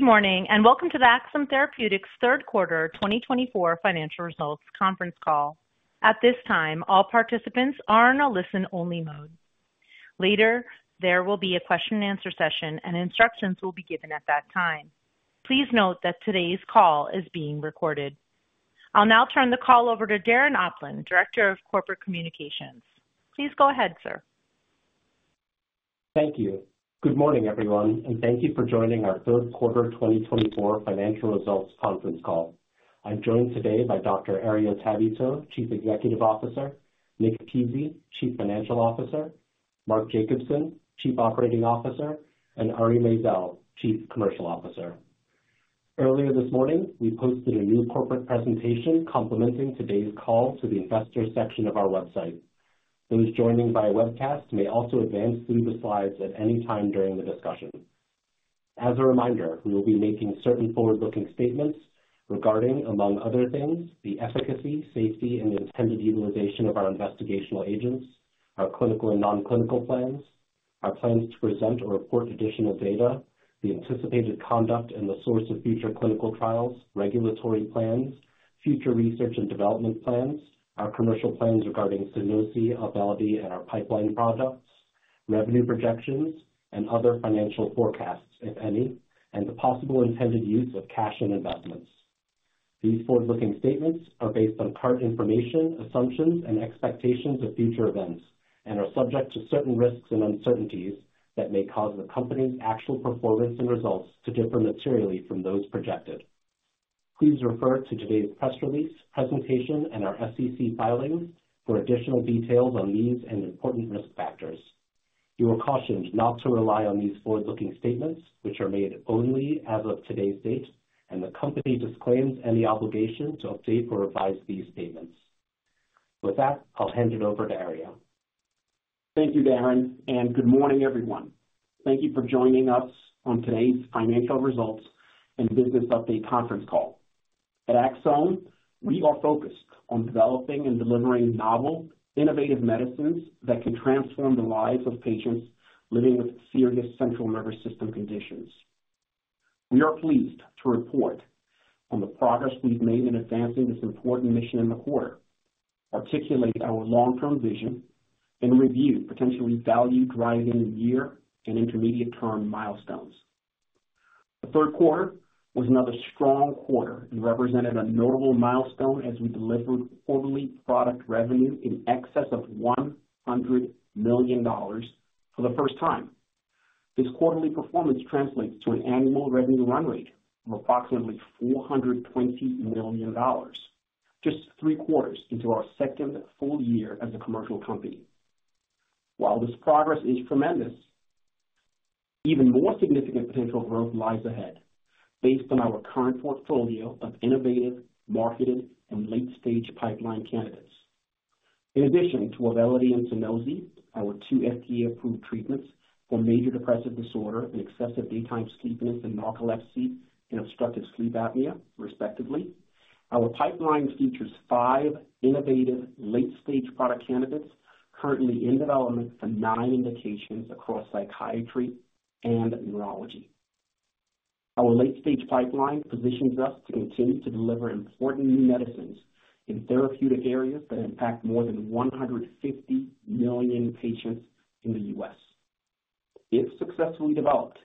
Good morning and welcome to the Axsome Therapeutics Q3 2024 Financial Results Conference Call. At this time, all participants are in a listen-only mode. Later, there will be a question-and-answer session, and instructions will be given at that time. Please note that today's call is being recorded. I'll now turn the call over to Darren Opland, Director of Corporate Communications. Please go ahead, sir. Thank you. Good morning, everyone, and thank you for joining our Q3 2024 Financial Results Conference Call. I'm joined today by Dr. Herriot Tabuteau, Chief Executive Officer, Nick Pizzie, Chief Financial Officer, Mark Jacobson, Chief Operating Officer, and Ari Maizel, Chief Commercial Officer. Earlier this morning, we posted a new corporate presentation complementing today's call to the investor section of our website. Those joining by webcast may also advance through the slides at any time during the discussion. As a reminder, we will be making certain forward-looking statements regarding, among other things, the efficacy, safety, and intended utilization of our investigational agents, our clinical and non-clinical plans, our plans to present or report additional data, the anticipated conduct and the source of future clinical trials, regulatory plans, future research and development plans, our commercial plans regarding Sunosi, Auvelity, and our pipeline products, revenue projections, and other financial forecasts, if any, and the possible intended use of cash and investments. These forward-looking statements are based on current information, assumptions, and expectations of future events, and are subject to certain risks and uncertainties that may cause the company's actual performance and results to differ materially from those projected. Please refer to today's press release, presentation, and our SEC filings for additional details on these and important risk factors. You are cautioned not to rely on these forward-looking statements, which are made only as of today's date, and the company disclaims any obligation to update or revise these statements. With that, I'll hand it over to Herriot. Thank you, Darren, and good morning, everyone. Thank you for joining us on today's financial results and business update conference call. At Axsome, we are focused on developing and delivering novel, innovative medicines that can transform the lives of patients living with serious central nervous system conditions. We are pleased to report on the progress we've made in advancing this important mission in the quarter, articulate our long-term vision, and review potentially value-driving year and intermediate-term milestones. The Q3 was another strong quarter and represented a notable milestone as we delivered quarterly product revenue in excess of $100 million for the first time. This quarterly performance translates to an annual revenue run rate of approximately $420 million, just three quarters into our second full year as a commercial company. While this progress is tremendous, even more significant potential growth lies ahead based on our current portfolio of innovative, marketed, and late-stage pipeline candidates. In addition to Auvelity and Sunosi, our two FDA-approved treatments for major depressive disorder and excessive daytime sleepiness and narcolepsy and obstructive sleep apnea, respectively, our pipeline features five innovative late-stage product candidates currently in development for nine indications across psychiatry and neurology. Our late-stage pipeline positions us to continue to deliver important new medicines in therapeutic areas that impact more than 150 million patients in the US If successfully developed,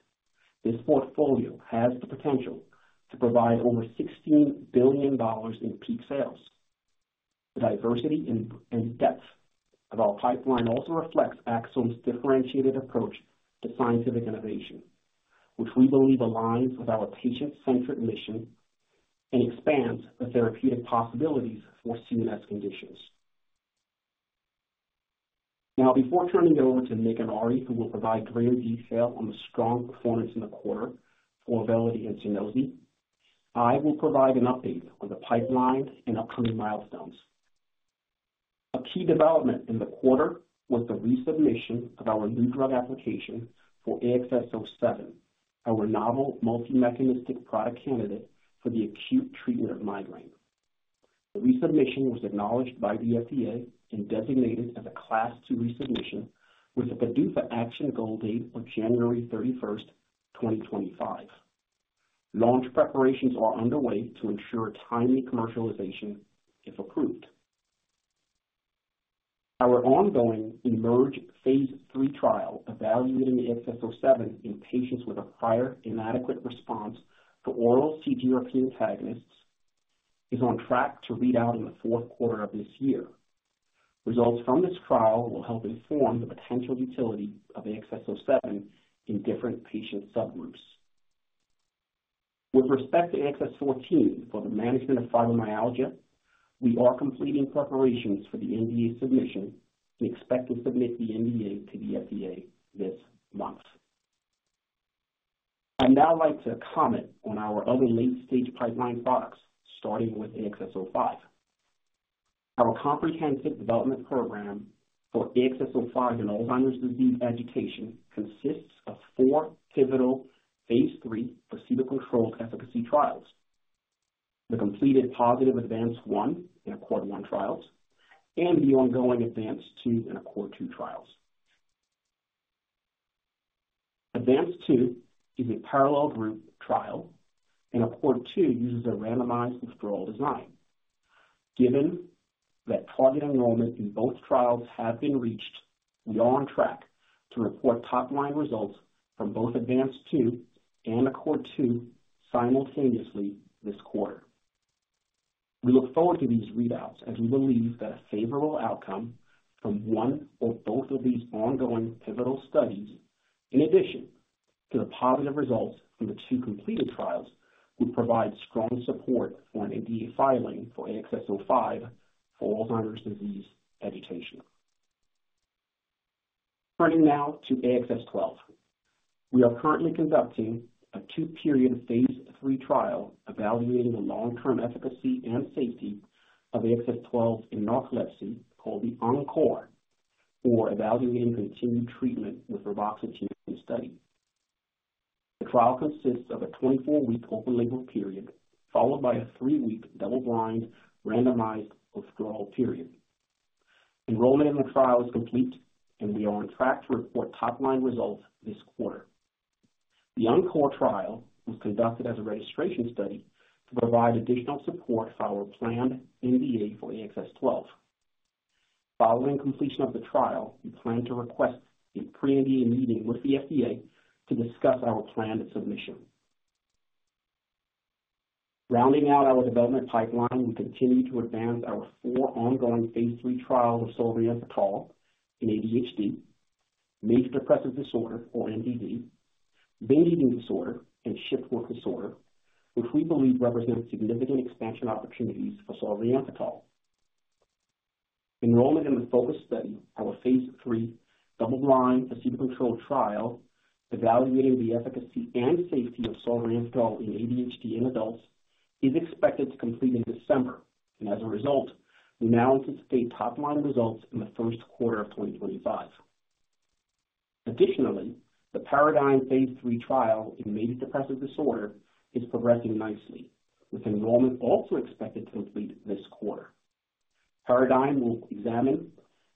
this portfolio has the potential to provide over $16 billion in peak sales. The diversity and depth of our pipeline also reflects Axsome's differentiated approach to scientific innovation, which we believe aligns with our patient-centric mission and expands the therapeutic possibilities for CNS conditions. Now, before turning it over to Nick and Ari, who will provide greater detail on the strong performance in the quarter for Auvelity and Sunosi, I will provide an update on the pipeline and upcoming milestones. A key development in the quarter was the resubmission of our new drug application for AXS-07, our novel multi-mechanistic product candidate for the acute treatment of migraine. The resubmission was acknowledged by the FDA and designated as a Class II resubmission with a PDUFA action goal date of 31 January 2025. Launch preparations are underway to ensure timely commercialization if approved. Our ongoing EMERGE phase III trial evaluating AXS-07 in patients with a prior inadequate response for oral CGRP antagonists is on track to read out in the Q4 of this year. Results from this trial will help inform the potential utility of AXS-07 in different patient subgroups. With respect to AXS-14 for the management of fibromyalgia, we are completing preparations for the NDA submission and expect to submit the NDA to the FDA this month. I'd now like to comment on our other late-stage pipeline products, starting with AXS-05. Our comprehensive development program for AXS-05 in Alzheimer's disease agitation consists of four pivotal phase III placebo-controlled efficacy trials: the completed positive ADVANCE-1 and ACCORD-1 trials and the ongoing ADVANCE-2 and ACCORD-2 trials. ADVANCE-2 is a parallel group trial, and ACCORD-2 uses a randomized withdrawal design. Given that target enrollment in both trials has been reached, we are on track to report top-line results from both ADVANCE-2 and ACCORD-2 simultaneously this quarter. We look forward to these readouts as we believe that a favorable outcome from one or both of these ongoing pivotal studies, in addition to the positive results from the two completed trials, would provide strong support for an NDA filing for AXS-05 for Alzheimer's disease agitation. Turning now to AXS-12, we are currently conducting a two-period phase III trial evaluating the long-term efficacy and safety of AXS-12 in narcolepsy called the ENCORE for evaluating continued treatment with reboxetine study. The trial consists of a 24-week open-label period followed by a three-week double-blind randomized withdrawal period. Enrollment in the trial is complete, and we are on track to report top-line results this quarter. The ENCORE trial was conducted as a registration study to provide additional support for our planned NDA for AXS-12. Following completion of the trial, we plan to request a pre-NDA meeting with the FDA to discuss our plan and submission. Rounding out our development pipeline, we continue to advance our four ongoing phase III trials of solriamfetol in ADHD, major depressive disorder, or MDD, binge eating disorder, and shift work disorder, which we believe represents significant expansion opportunities for solriamfetol. Enrollment in the FOCUS study, our phase III double-blind placebo-controlled trial evaluating the efficacy and safety of solriamfetol in ADHD and adults is expected to complete in December, and as a result, we now anticipate top-line results in the Q1 of 2025. Additionally, the PARADIGM phase III trial in major depressive disorder is progressing nicely, with enrollment also expected to complete this quarter. PARADIGM will examine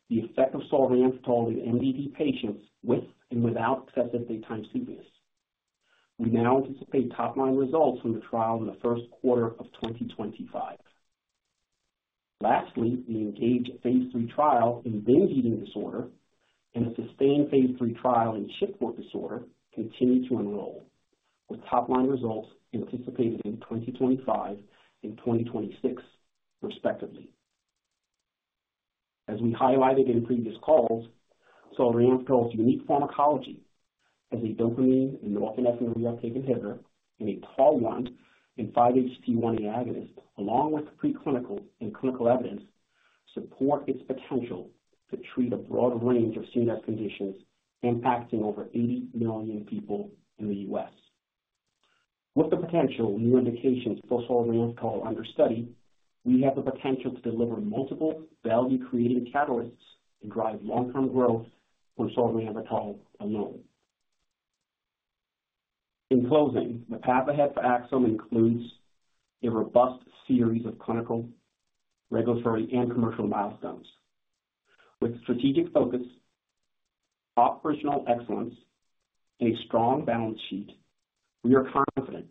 the effect of solriamfetol in MDD patients with and without excessive daytime sleepiness. We now anticipate top-line results from the trial in the Q1 of 2025. Lastly, the ENGAGE phase III trial in binge eating disorder and the SUSTAIN phase III trial in shift work disorder continue to enroll, with top-line results anticipated in 2025 and 2026, respectively. As we highlighted in previous calls, solriamfetol's unique pharmacology as a dopamine and norepinephrine reuptake inhibitor and a TAAR1 and 5-HT1A agonist, along with preclinical and clinical evidence, support its potential to treat a broad range of CNS conditions impacting over 80 million people in the US With the potential new indications for solriamfetol under study, we have the potential to deliver multiple value-creating catalysts and drive long-term growth from solriamfetol alone. In closing, the path ahead for Axsome includes a robust series of clinical, regulatory, and commercial milestones. With strategic focus, operational excellence, and a strong balance sheet, we are confident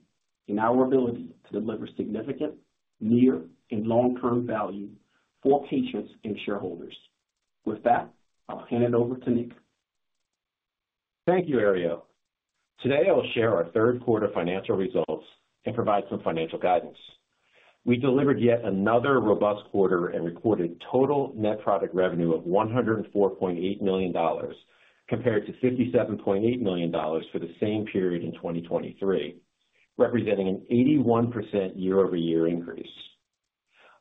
in our ability to deliver significant near and long-term value for patients and shareholders. With that, I'll hand it over to Nick. Thank you, Herriot. Today, I'll share our Q3 financial results and provide some financial guidance. We delivered yet another robust quarter and recorded total net product revenue of $104.8 million compared to $57.8 million for the same period in 2023, representing an 81% year-over-year increase.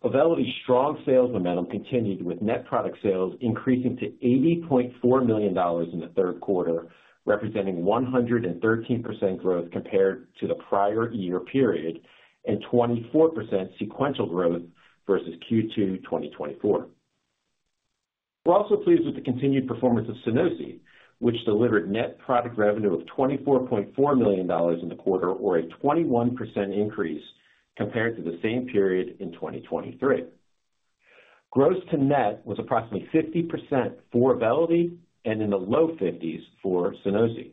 Auvelity's strong sales momentum continued, with net product sales increasing to $80.4 million in the Q3, representing 113% growth compared to the prior year period and 24% sequential growth versus Q2 2024. We're also pleased with the continued performance of Sunosi, which delivered net product revenue of $24.4 million in the quarter, or a 21% increase compared to the same period in 2023. Gross to net was approximately 50% for Auvelity and in the low 50s% for Sunosi.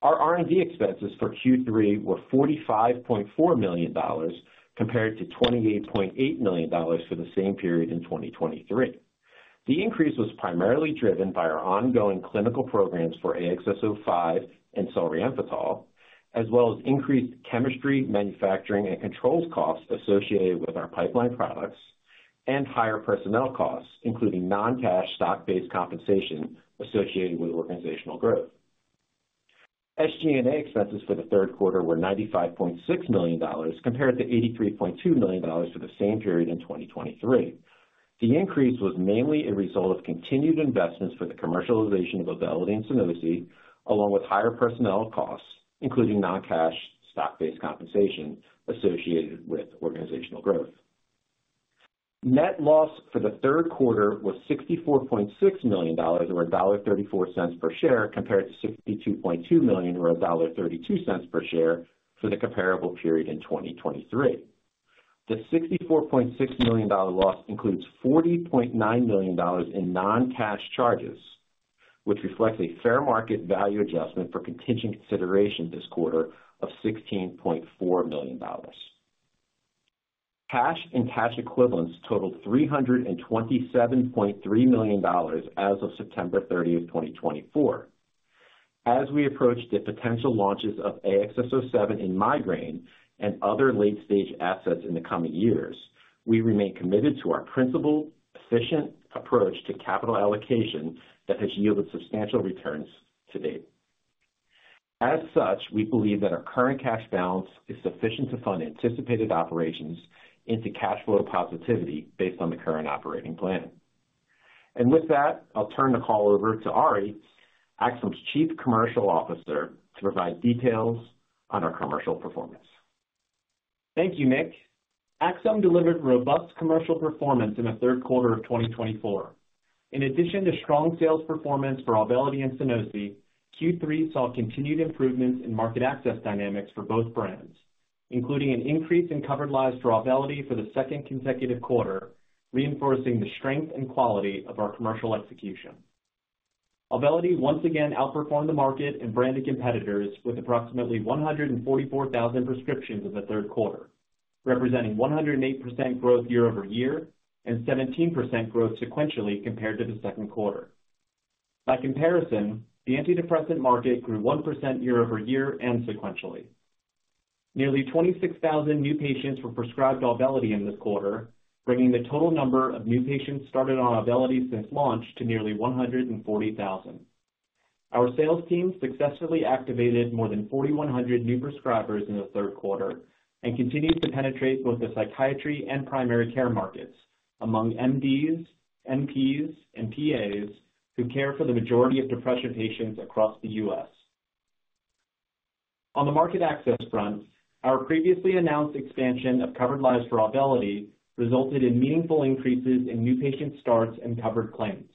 Our R&D expenses for Q3 were $45.4 million compared to $28.8 million for the same period in 2023. The increase was primarily driven by our ongoing clinical programs for AXS-05 and solriamfetol, as well as increased chemistry, manufacturing, and controls costs associated with our pipeline products and higher personnel costs, including non-cash stock-based compensation associated with organizational growth. SG&A expenses for the Q3 were $95.6 million compared to $83.2 million for the same period in 2023. The increase was mainly a result of continued investments for the commercialization of Auvelity and Sunosi, along with higher personnel costs, including non-cash stock-based compensation associated with organizational growth. Net loss for the Q3 was $64.6 million, or $1.34 per share, compared to $62.2 million, or $1.32 per share for the comparable period in 2023. The $64.6 million loss includes $40.9 million in non-cash charges, which reflects a fair market value adjustment for contingent consideration this quarter of $16.4 million. Cash and cash equivalents totaled $327.3 million as of September 30th, 2024. As we approach the potential launches of AXS-07 in migraine and other late-stage assets in the coming years, we remain committed to our principled, efficient approach to capital allocation that has yielded substantial returns to date. As such, we believe that our current cash balance is sufficient to fund anticipated operations into cash flow positivity based on the current operating plan. And with that, I'll turn the call over to Ari, Axsome's Chief Commercial Officer, to provide details on our commercial performance. Thank you, Nick. Axsome delivered robust commercial performance in the Q3 of 2024. In addition to strong sales performance for Auvelity and Sunosi, Q3 saw continued improvements in market access dynamics for both brands, including an increase in covered lives for Auvelity for the second consecutive quarter, reinforcing the strength and quality of our commercial execution. Auvelity once again outperformed the market and branded competitors with approximately 144,000 prescriptions in the Q3, representing 108% growth year-over-year and 17% growth sequentially compared to the Q2. By comparison, the antidepressant market grew 1% year-over-year and sequentially. Nearly 26,000 new patients were prescribed Auvelity in this quarter, bringing the total number of new patients started on Auvelity since launch to nearly 140,000. Our sales team successfully activated more than 4,100 new prescribers in the Q3 and continues to penetrate both the psychiatry and primary care markets among MDs, NPs, and PAs who care for the majority of depression patients across the US On the market access front, our previously announced expansion of covered lives for Auvelity resulted in meaningful increases in new patient starts and covered claims.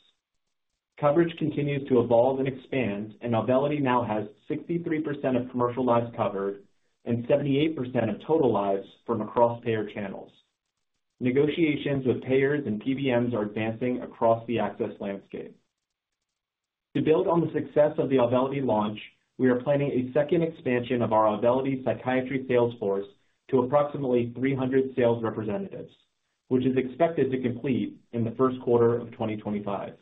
Coverage continues to evolve and expand, and Auvelity now has 63% of commercial lives covered and 78% of total lives from across payer channels. Negotiations with payers and PBMs are advancing across the access landscape. To build on the success of the Auvelity launch, we are planning a second expansion of our Auvelity psychiatry sales force to approximately 300 sales representatives, which is expected to complete in the Q1 of 2025.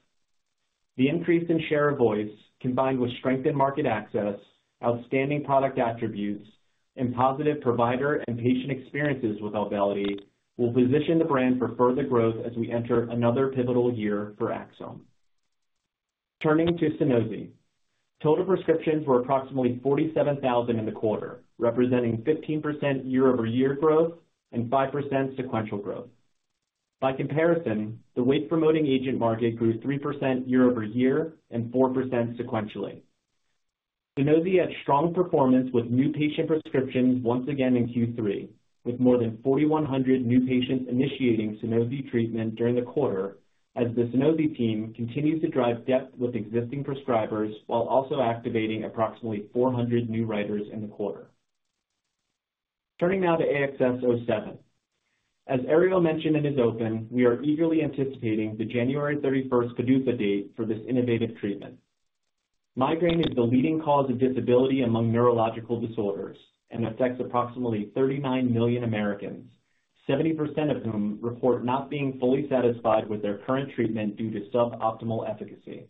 The increase in share of voice, combined with strengthened market access, outstanding product attributes, and positive provider and patient experiences with Auvelity, will position the brand for further growth as we enter another pivotal year for Axsome. Turning to Sunosi, total prescriptions were approximately 47,000 in the quarter, representing 15% year-over-year growth and 5% sequential growth. By comparison, the wake-promoting agent market grew 3% year-over-year and 4% sequentially. Sunosi had strong performance with new patient prescriptions once again in Q3, with more than 4,100 new patients initiating Sunosi treatment during the quarter as the Sunosi team continues to drive depth with existing prescribers while also activating approximately 400 new writers in the quarter. Turning now to AXS-07. As Ari mentioned in his open, we are eagerly anticipating the January 31st PDUFA date for this innovative treatment. Migraine is the leading cause of disability among neurological disorders and affects approximately 39 million Americans, 70% of whom report not being fully satisfied with their current treatment due to suboptimal efficacy.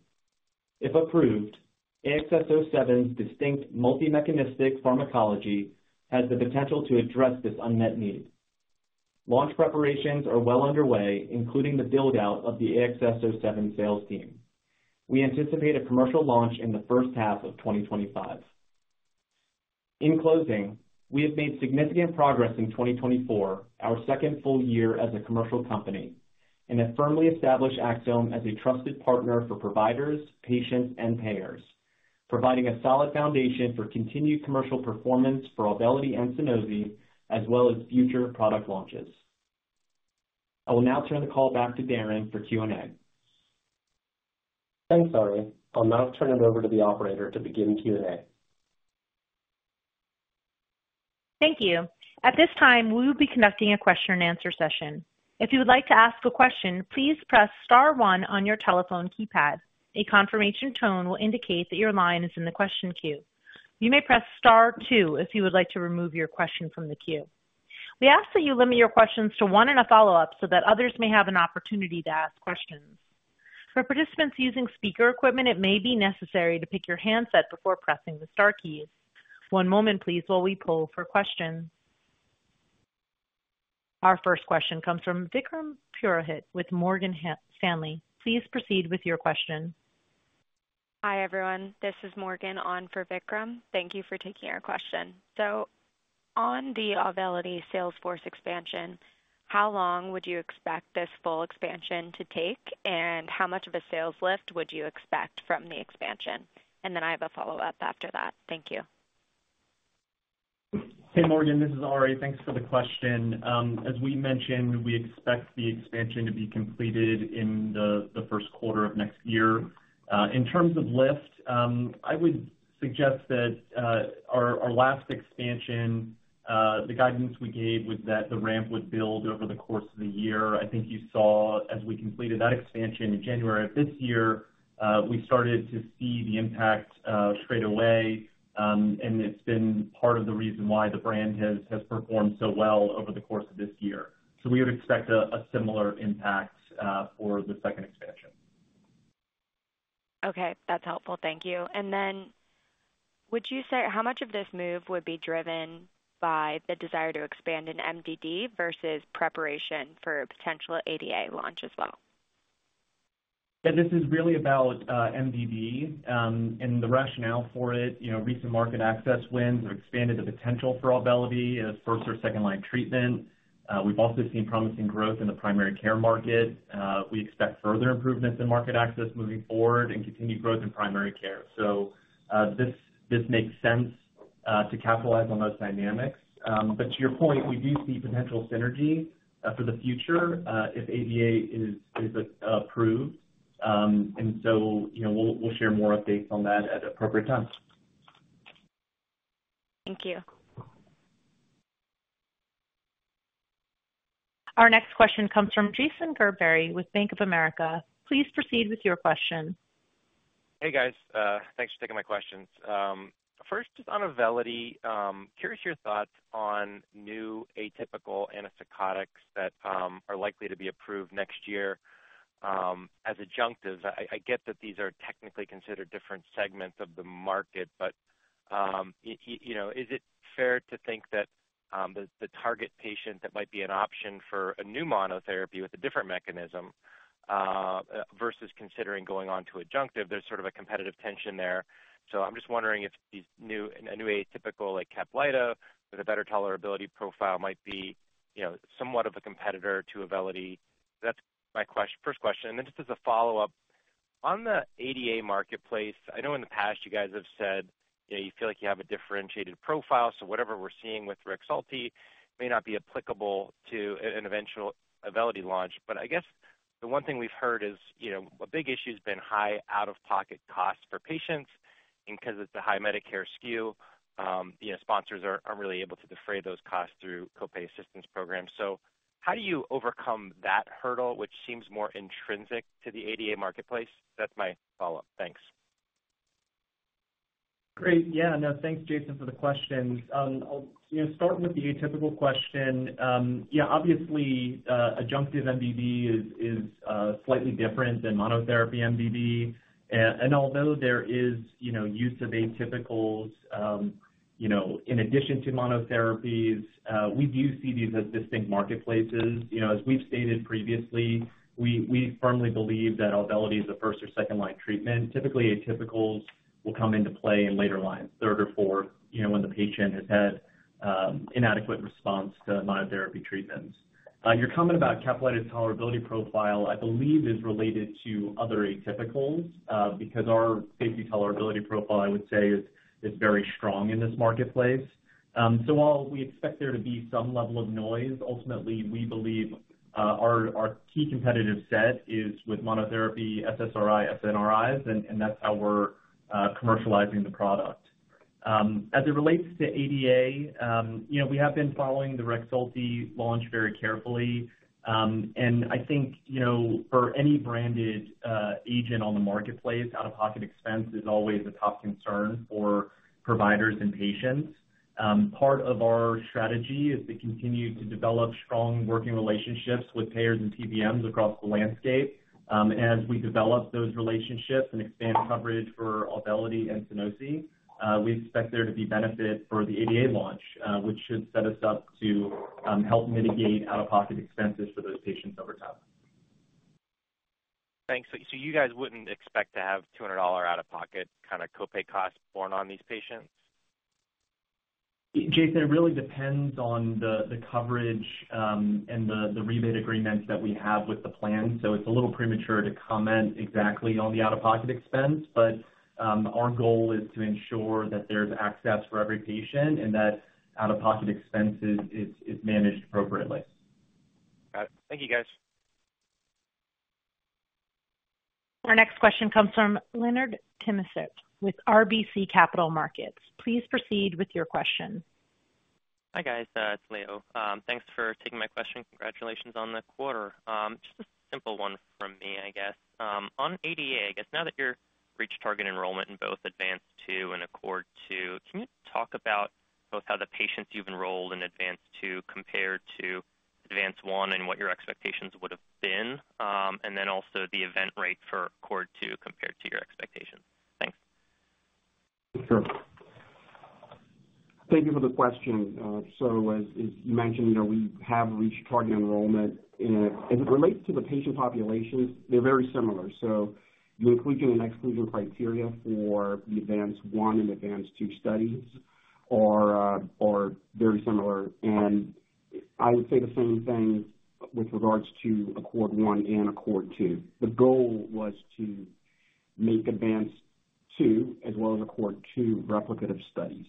If approved, AXS-07's distinct multi-mechanistic pharmacology has the potential to address this unmet need. Launch preparations are well underway, including the buildout of the AXS-07 sales team. We anticipate a commercial launch in the first half of 2025. In closing, we have made significant progress in 2024, our second full year as a commercial company, and have firmly established Axsome as a trusted partner for providers, patients, and payers, providing a solid foundation for continued commercial performance for Auvelity and Sunosi, as well as future product launches. I will now turn the call back to Darren for Q&A. Thanks, Ari. I'll now turn it over to the operator to begin Q&A. Thank you. At this time, we will be conducting a question-and-answer session. If you would like to ask a question, please press Star one on your telephone keypad. A confirmation tone will indicate that your line is in the question queue. You may press Star two if you would like to remove your question from the queue. We ask that you limit your questions to one and a follow-up so that others may have an opportunity to ask questions. For participants using speaker equipment, it may be necessary to pick your handset before pressing the Star keys. One moment, please, while we pull for questions. Our first question comes from Vikram Purohit with Morgan Stanley. Please proceed with your question. Hi, everyone. This is Morgan on for Vikram. Thank you for taking our question. So on the Auvelity sales force expansion, how long would you expect this full expansion to take, and how much of a sales lift would you expect from the expansion? And then I have a follow-up after that. Thank you. Hey, Morgan. This is Ari. Thanks for the question. As we mentioned, we expect the expansion to be completed in the Q1 of next year. In terms of lift, I would suggest that our last expansion, the guidance we gave was that the ramp would build over the course of the year. I think you saw, as we completed that expansion in January of this year, we started to see the impact straight away, and it's been part of the reason why the brand has performed so well over the course of this year. So we would expect a similar impact for the second expansion. Okay. That's helpful. Thank you. And then would you say how much of this move would be driven by the desire to expand in MDD versus preparation for a potential ADA launch as well? Yeah, this is really about MDD and the rationale for it. Recent market access wins have expanded the potential for Auvelity as first- or second-line treatment. We've also seen promising growth in the primary care market. We expect further improvements in market access moving forward and continued growth in primary care. So this makes sense to capitalize on those dynamics. But to your point, we do see potential synergy for the future if ADA is approved. And so we'll share more updates on that at appropriate times. Thank you. Our next question comes from Jason Gerberry with Bank of America. Please proceed with your question. Hey, guys. Thanks for taking my questions. First, on Auvelity, curious your thoughts on new atypical antipsychotics that are likely to be approved next year as adjuncts. I get that these are technically considered different segments of the market, but is it fair to think that the target patient that might be an option for a new monotherapy with a different mechanism versus considering going on to adjunctive, there's sort of a competitive tension there? So I'm just wondering if a new atypical like Caplyta with a better tolerability profile might be somewhat of a competitor to Auvelity. That's my first question. And then just as a follow-up, on the ADA marketplace, I know in the past you guys have said you feel like you have a differentiated profile, so whatever we're seeing with Rexulti may not be applicable to an eventual Auvelity launch. But I guess the one thing we've heard is a big issue has been high out-of-pocket costs for patients. And because it's a high Medicare SKU, sponsors aren't really able to defray those costs through copay assistance programs. So how do you overcome that hurdle, which seems more intrinsic to the ADA marketplace? That's my follow-up. Thanks. Great. Yeah. No, thanks, Jason, for the questions. Starting with the atypical question, yeah, obviously adjunctive MDD is slightly different than monotherapy MDD, and although there is use of atypicals in addition to monotherapies, we do see these as distinct marketplaces. As we've stated previously, we firmly believe that Auvelity is a first or second-line treatment. Typically, atypicals will come into play in later lines, third or fourth, when the patient has had inadequate response to monotherapy treatments. Your comment about Caplyta's tolerability profile, I believe, is related to other atypicals because our safety tolerability profile, I would say, is very strong in this marketplace, so while we expect there to be some level of noise, ultimately, we believe our key competitive set is with monotherapy, SSRI, SNRIs, and that's how we're commercializing the product. As it relates to ADA, we have been following the Rexulti launch very carefully. I think for any branded agent on the marketplace, out-of-pocket expense is always a top concern for providers and patients. Part of our strategy is to continue to develop strong working relationships with payers and PBMs across the landscape. As we develop those relationships and expand coverage for Auvelity and Sunosi, we expect there to be benefit for the ADA launch, which should set us up to help mitigate out-of-pocket expenses for those patients over time. Thanks. So you guys wouldn't expect to have $200 out-of-pocket kind of copay costs borne on these patients? Jason, it really depends on the coverage and the rebate agreements that we have with the plan. So it's a little premature to comment exactly on the out-of-pocket expense, but our goal is to ensure that there's access for every patient and that out-of-pocket expenses are managed appropriately. Got it. Thank you, guys. Our next question comes from Leonid Timashev with RBC Capital Markets. Please proceed with your question. Hi, guys. It's Leo. Thanks for taking my question. Congratulations on the quarter. Just a simple one from me, I guess. On ADA, I guess, now that you've reached target enrollment in both ADVANCE-2 and ACCORD-2, can you talk about both how the patients you've enrolled in ADVANCE-2 compare to ADVANCE-1 and what your expectations would have been, and then also the event rate for ACCORD-2 compared to your expectations? Thanks. Sure. Thank you for the question. So as you mentioned, we have reached target enrollment. As it relates to the patient populations, they're very similar. So the inclusion and exclusion criteria for the ADVANCE-1 and ADVANCE-2 studies are very similar. And I would say the same thing with regards to ACCORD-1 and ACCORD-2. The goal was to make ADVANCE-2 as well as ACCORD-2 replicative studies.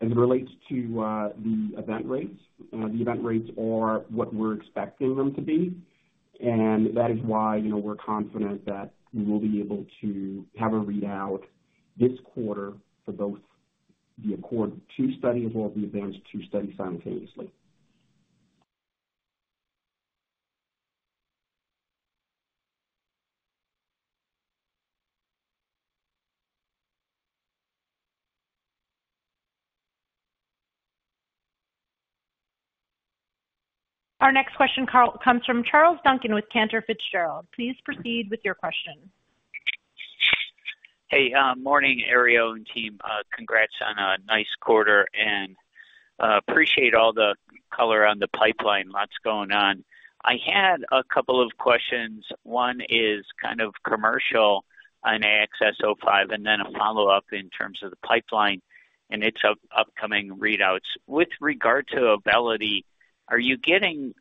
As it relates to the event rates, the event rates are what we're expecting them to be. And that is why we're confident that we will be able to have a readout this quarter for both the ACCORD-2 study as well as the ADVANCE-2 study simultaneously. Our next question comes from Charles Duncan with Cantor Fitzgerald. Please proceed with your question. Hey, morning, Ari and team. Congrats on a nice quarter, and I appreciate all the color on the pipeline. Lots going on. I had a couple of questions. One is kind of commercial on AXS-05 and then a follow-up in terms of the pipeline, and it's upcoming readouts. With regard to Auvelity, are you getting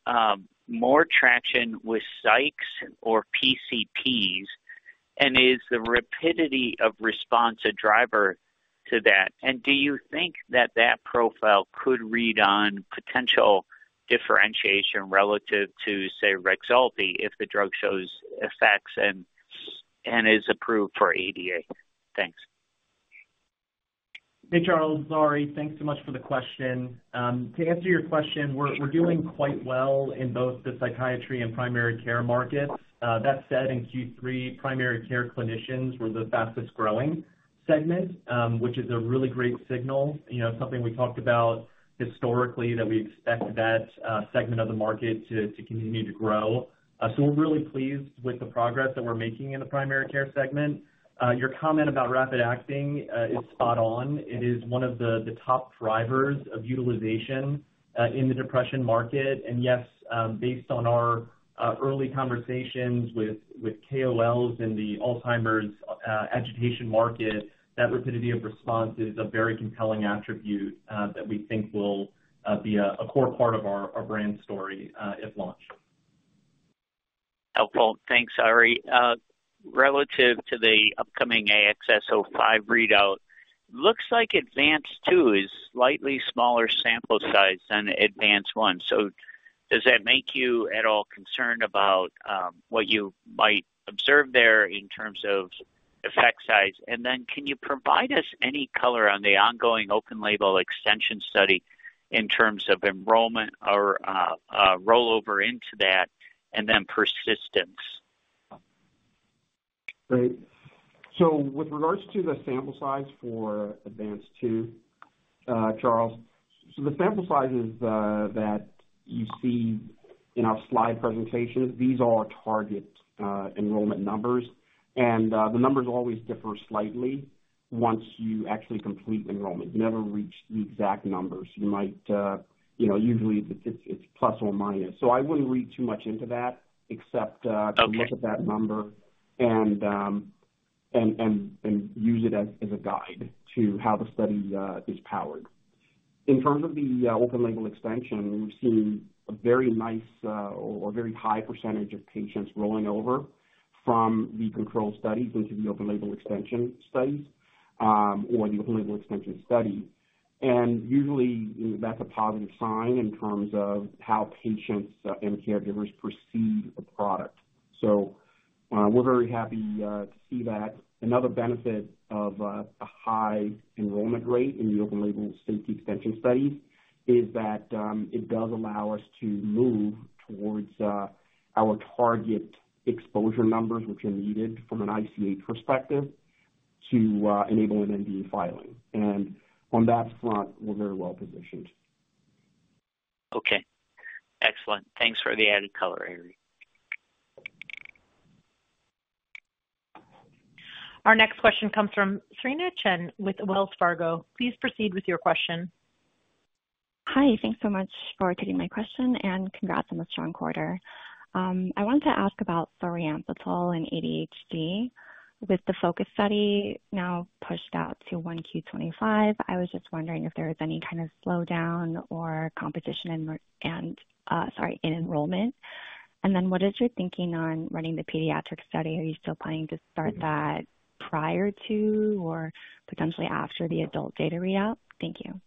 more traction with psychs or PCPs, and is the rapidity of response a driver to that? And do you think that that profile could read on potential differentiation relative to, say, Rexulti if the drug shows effects and is approved for ADA? Thanks. Hey, Charles. This is Ari. Thanks so much for the question. To answer your question, we're doing quite well in both the psychiatry and primary care markets. That said, in Q3, primary care clinicians were the fastest-growing segment, which is a really great signal, something we talked about historically that we expect that segment of the market to continue to grow. So we're really pleased with the progress that we're making in the primary care segment. Your comment about rapid acting is spot on. It is one of the top drivers of utilization in the depression market, and yes, based on our early conversations with KOLs in the Alzheimer's agitation market, that rapidity of response is a very compelling attribute that we think will be a core part of our brand story at launch. Helpful. Thanks, Ari. Relative to the upcoming AXS-05 readout, it looks like ADVANCE-2 is slightly smaller sample size than ADVANCE-1. So does that make you at all concerned about what you might observe there in terms of effect size? And then can you provide us any color on the ongoing open-label extension study in terms of enrollment or rollover into that and then persistence? Great. So with regards to the sample size for ADVANCE-2, Charles, so the sample sizes that you see in our slide presentation, these are target enrollment numbers. And the numbers always differ slightly once you actually complete enrollment. You never reach the exact numbers. Usually, it's plus or minus. So I wouldn't read too much into that except to look at that number and use it as a guide to how the study is powered. In terms of the open-label extension, we've seen a very nice or very high percentage of patients rolling over from the controlled studies into the open-label extension studies or the open-label extension study. And usually, that's a positive sign in terms of how patients and caregivers perceive the product. So we're very happy to see that. Another benefit of a high enrollment rate in the open-label safety extension studies is that it does allow us to move towards our target exposure numbers, which are needed from an ICH perspective, to enable an NDA filing, and on that front, we're very well positioned. Okay. Excellent. Thanks for the added color, Ari. Our next question comes from Cerena Chen with Wells Fargo. Please proceed with your question. Hi. Thanks so much for taking my question, and congrats on the strong quarter. I wanted to ask about solriamfetol and ADHD. With the FOCUS study now pushed out to Q1 2025, I was just wondering if there was any kind of slowdown or competition in enrollment. And then what is your thinking on running the pediatric study? Are you still planning to start that prior to or potentially after the adult data readout? Thank you.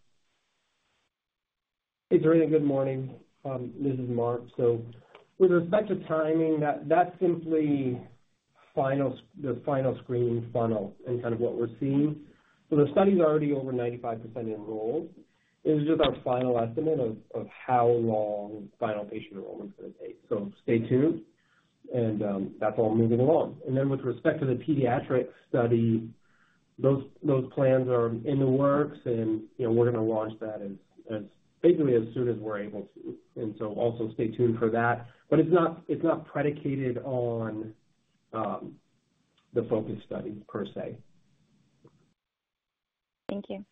Hey, Serena. Good morning. This is Mark. So with respect to timing, that's simply the final screen funnel and kind of what we're seeing. So the study is already over 95% enrolled. This is just our final estimate of how long final patient enrollment is going to take. So stay tuned, and that's all moving along. And then with respect to the pediatric study, those plans are in the works, and we're going to launch that basically as soon as we're able to. And so also stay tuned for that. But it's not predicated on the FOCUS study per se. Thank you.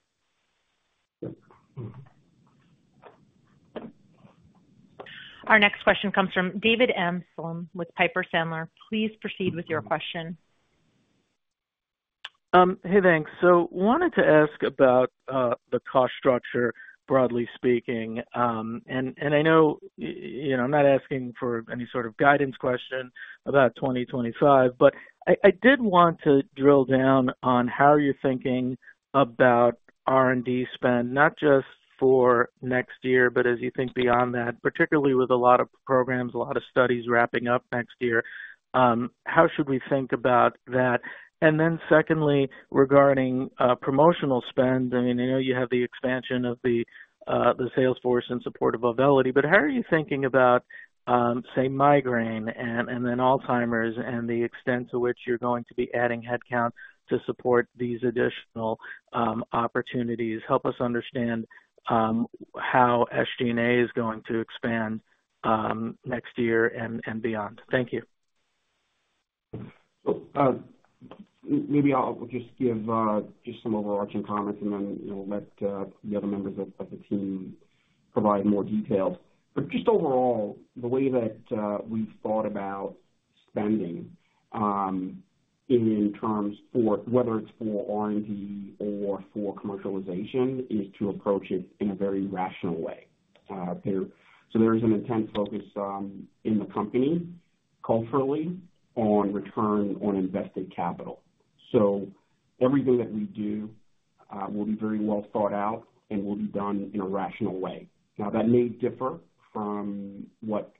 Our next question comes from David Amsellem with Piper Sandler. Please proceed with your question. Hey, thanks. So wanted to ask about the cost structure, broadly speaking, and I know I'm not asking for any sort of guidance question about 2025, but I did want to drill down on how are you thinking about R&D spend, not just for next year, but as you think beyond that, particularly with a lot of programs, a lot of studies wrapping up next year. How should we think about that, and then secondly, regarding promotional spend, I mean, I know you have the expansion of the sales force in support of Auvelity, but how are you thinking about, say, migraine and then Alzheimer's and the extent to which you're going to be adding headcount to support these additional opportunities? Help us understand how SG&A is going to expand next year and beyond. Thank you. Maybe I'll just give some overarching comments, and then we'll let the other members of the team provide more details. But just overall, the way that we've thought about spending in terms of whether it's for R&D or for commercialization is to approach it in a very rational way. So there is an intense focus in the company culturally on return on invested capital. So everything that we do will be very well thought out, and will be done in a rational way. Now, that may differ from what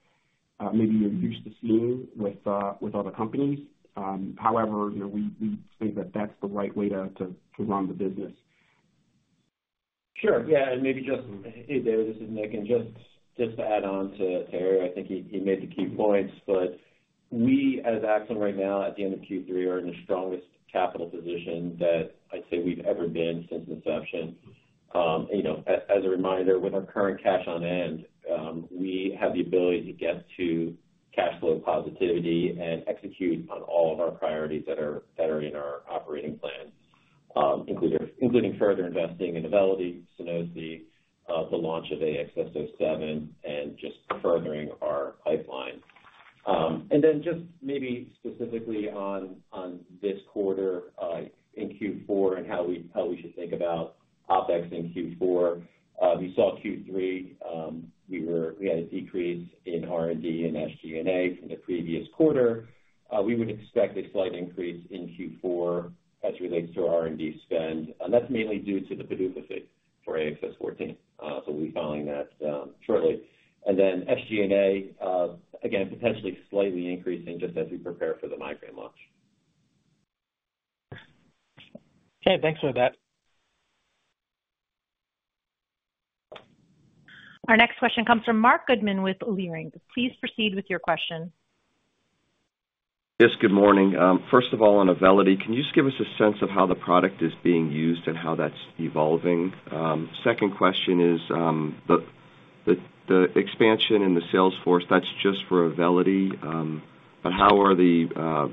maybe you're used to seeing with other companies. However, we think that that's the right way to run the business. Sure. Yeah. And maybe just, hey, David, this is Nick. And just to add on to Herriot, I think he made the key points, but we at Axsome right now, at the end of Q3, are in the strongest capital position that I'd say we've ever been since inception. As a reminder, with our current cash on hand, we have the ability to get to cash flow positivity and execute on all of our priorities that are in our operating plan, including further investing in Auvelity, Sunosi, the launch of AXS-07, and just furthering our pipeline. And then just maybe specifically on this quarter in Q4 and how we should think about OpEx in Q4. You saw Q3, we had a decrease in R&D and SG&A from the previous quarter. We would expect a slight increase in Q4 as it relates to R&D spend. That's mainly due to the PDUFA date for AXS-14. We'll be filing that shortly. SG&A, again, potentially slightly increasing just as we prepare for the migraine launch. Okay. Thanks for that. Our next question comes from Marc Goodman with Leerink. Please proceed with your question. Yes, good morning. First of all, on Auvelity, can you just give us a sense of how the product is being used and how that's evolving? Second question is the expansion in the sales force, that's just for Auvelity, but how are the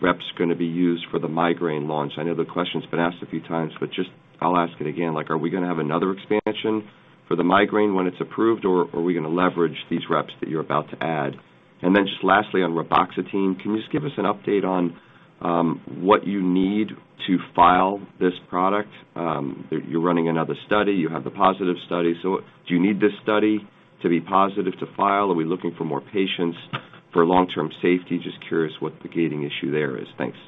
reps going to be used for the migraine launch? I know the question's been asked a few times, but just I'll ask it again. Are we going to have another expansion for the migraine when it's approved, or are we going to leverage these reps that you're about to add? And then just lastly, on Reboxetine, can you just give us an update on what you need to file this product? You're running another study. You have the positive study. So do you need this study to be positive to file? Are we looking for more patients for long-term safety? Just curious what the gating issue there is. Thanks.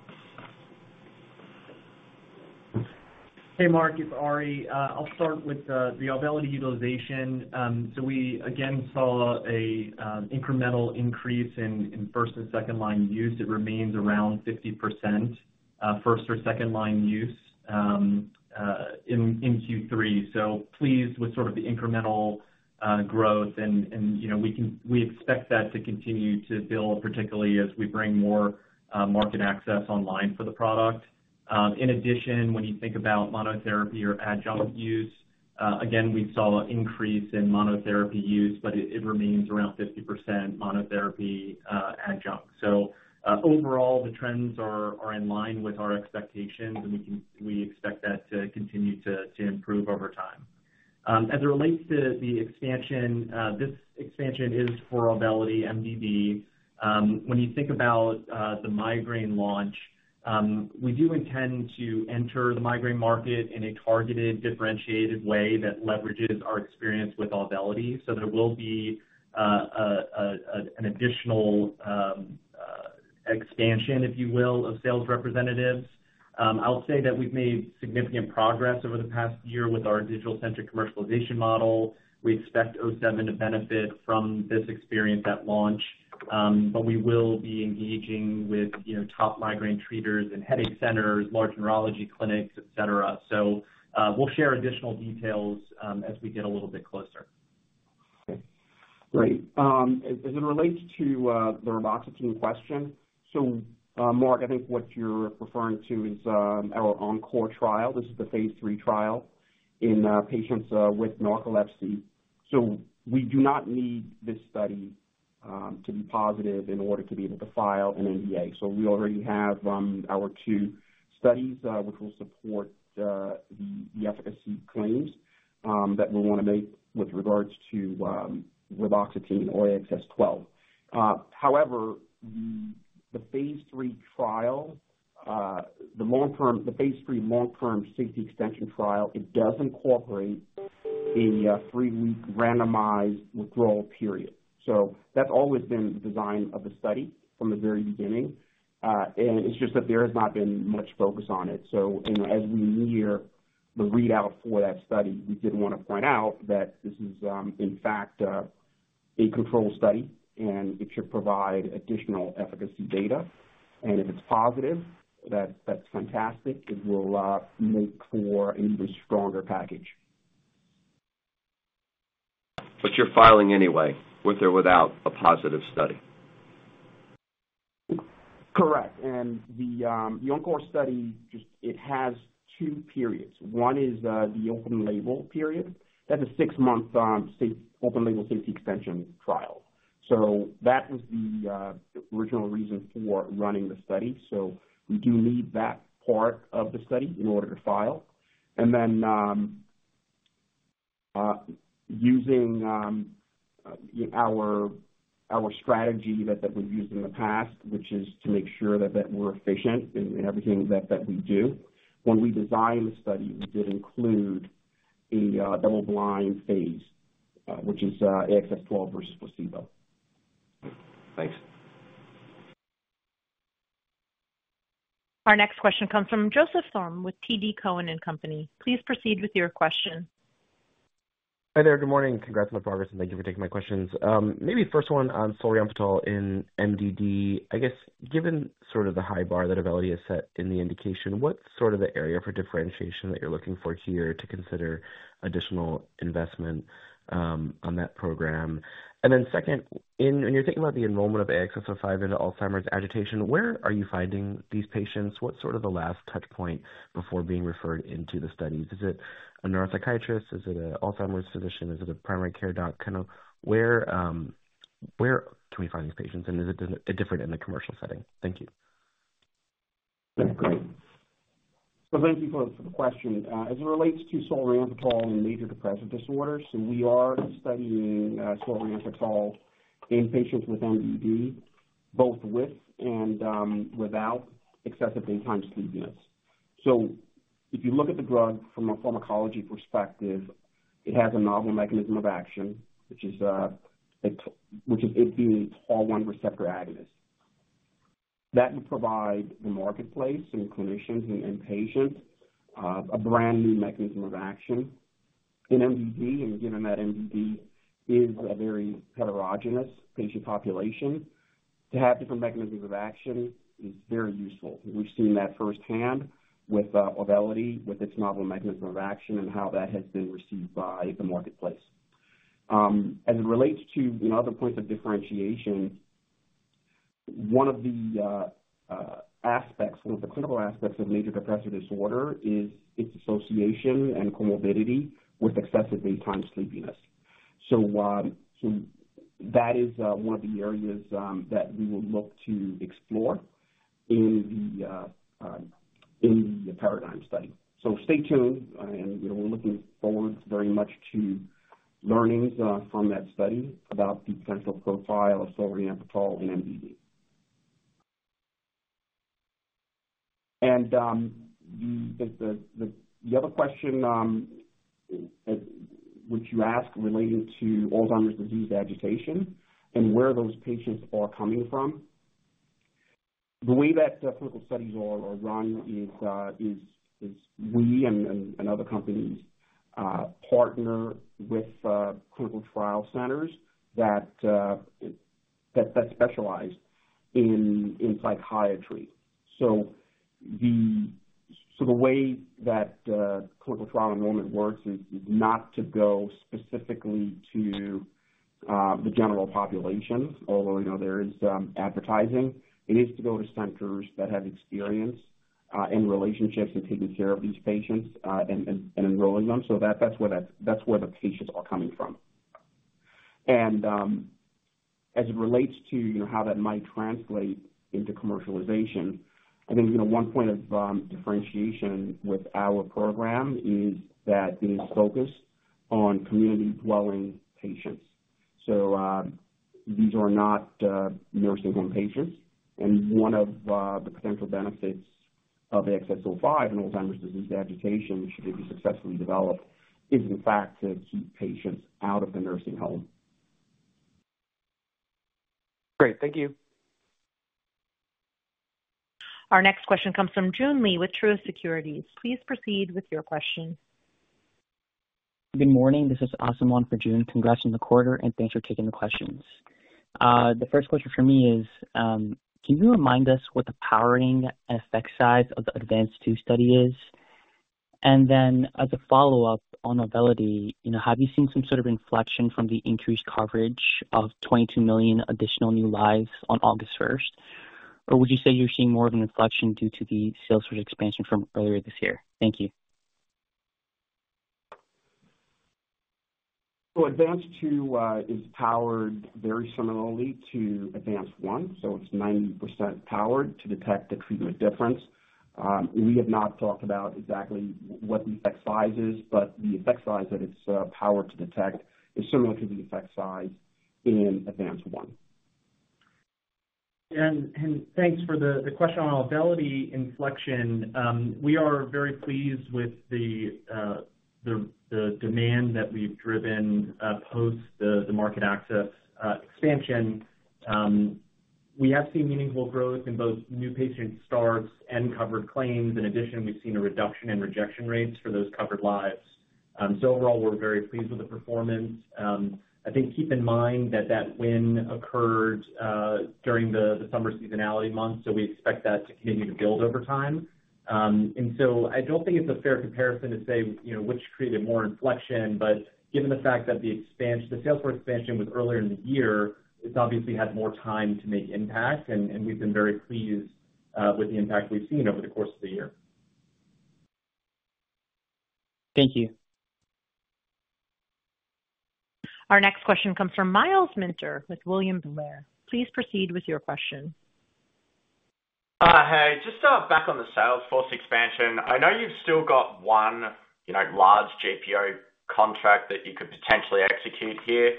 Hey, Mark. It's Ari. I'll start with the Auvelity utilization. So we, again, saw an incremental increase in first and second-line use. It remains around 50% first or second-line use in Q3. So pleased with sort of the incremental growth. And we expect that to continue to build, particularly as we bring more market access online for the product. In addition, when you think about monotherapy or adjunct use, again, we saw an increase in monotherapy use, but it remains around 50% monotherapy adjunct. So overall, the trends are in line with our expectations, and we expect that to continue to improve over time. As it relates to the expansion, this expansion is for Auvelity, MDD. When you think about the migraine launch, we do intend to enter the migraine market in a targeted, differentiated way that leverages our experience with Auvelity. So there will be an additional expansion, if you will, of sales representatives. I'll say that we've made significant progress over the past year with our digital-centric commercialization model. We expect AXS-07 to benefit from this experience at launch, but we will be engaging with top migraine treaters and headache centers, large neurology clinics, etc. So we'll share additional details as we get a little bit closer. Okay. Great. As it relates to the Reboxetine question, so Mark, I think what you're referring to is our ENCORE trial. This is the phase three trial in patients with narcolepsy so we do not need this study to be positive in order to be able to file an NDA so we already have our two studies which will support the efficacy claims that we want to make with regards to Reboxetine or AXS-12. However, the phase three trial, the phase three long-term safety extension trial, it does incorporate a three-week randomized withdrawal period so that's always been the design of the study from the very beginning, and it's just that there has not been much focus on it so as we near the readout for that study, we did want to point out that this is, in fact, a controlled study, and it should provide additional efficacy data. If it's positive, that's fantastic. It will make for an even stronger package. But you're filing anyway, with or without a positive study. Correct. And the ENCORE study, it has two periods. One is the open-label period. That's a six-month open-label safety extension trial. So that was the original reason for running the study. So we do need that part of the study in order to file. And then using our strategy that we've used in the past, which is to make sure that we're efficient in everything that we do, when we designed the study, we did include a double-blind phase, which is AXS-12 versus placebo. Thanks. Our next question comes from Joseph Thome with TD Cowen. Please proceed with your question. Hi there. Good morning. Congrats on the progress, and thank you for taking my questions. Maybe first one on solriamfetol in MDD. I guess given sort of the high bar that Auvelity has set in the indication, what's sort of the area for differentiation that you're looking for here to consider additional investment on that program? And then second, when you're thinking about the enrollment of AXS-05 into Alzheimer's agitation, where are you finding these patients? What's sort of the last touchpoint before being referred into the studies? Is it a neuropsychiatrist? Is it an Alzheimer's physician? Is it a primary care doc? Kind of where can we find these patients? And is it different in the commercial setting? Thank you. Great. So thank you for the question. As it relates to solriamfetol in major depressive disorder, so we are studying solriamfetol in patients with MDD, both with and without excessive daytime sleepiness. So if you look at the drug from a pharmacology perspective, it has a novel mechanism of action, which is it being a TAAR1 agonist. That would provide the marketplace and clinicians and patients a brand new mechanism of action. In MDD, and given that MDD is a very heterogeneous patient population, to have different mechanisms of action is very useful. We've seen that firsthand with Auvelity, with its novel mechanism of action and how that has been received by the marketplace. As it relates to other points of differentiation, one of the aspects, one of the clinical aspects of major depressive disorder is its association and comorbidity with excessive daytime sleepiness. That is one of the areas that we will look to explore in the PARADIGM study. Stay tuned, and we're looking forward very much to learnings from that study about the potential profile of solriamfetol in MDD. The other question which you asked relating to Alzheimer's disease agitation and where those patients are coming from, the way that clinical studies are run is we and other companies partner with clinical trial centers that specialize in psychiatry. The way that clinical trial enrollment works is not to go specifically to the general population, although there is advertising. It is to go to centers that have experience and relationships in taking care of these patients and enrolling them. That's where the patients are coming from. As it relates to how that might translate into commercialization, I think one point of differentiation with our program is that it is focused on community dwelling patients. So these are not nursing home patients. And one of the potential benefits of AXS-05 in Alzheimer's disease agitation, should it be successfully developed, is, in fact, to keep patients out of the nursing home. Great. Thank you. Our next question comes from Joon Lee with Truist Securities. Please proceed with your question. Good morning. This is Aasim on for June. Congrats on the quarter, and thanks for taking the questions. The first question for me is, can you remind us what the powering and effect size of the ADVANCE-2 study is? And then as a follow-up on Auvelity, have you seen some sort of inflection from the increased coverage of 22 million additional new lives on August 1st? Or would you say you're seeing more of an inflection due to the sales force expansion from earlier this year? Thank you. So ADVANCE-2 is powered very similarly to ADVANCE-1. So it's 90% powered to detect the treatment difference. We have not talked about exactly what the effect size is, but the effect size that it's powered to detect is similar to the effect size in ADVANCE-1. Thanks for the question on Auvelity inflection. We are very pleased with the demand that we've driven post the market access expansion. We have seen meaningful growth in both new patient starts and covered claims. In addition, we've seen a reduction in rejection rates for those covered lives. So overall, we're very pleased with the performance. I think keep in mind that that win occurred during the summer seasonality months, so we expect that to continue to build over time. And so I don't think it's a fair comparison to say which created more inflection, but given the fact that the sales force expansion was earlier in the year, it's obviously had more time to make impact, and we've been very pleased with the impact we've seen over the course of the year. Thank you. Our next question comes from Myles Minter with William Blair. Please proceed with your question. Hey, just back on the sales force expansion. I know you've still got one large GPO contract that you could potentially execute here.